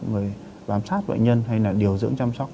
rồi bám sát bệnh nhân hay là điều dưỡng chăm sóc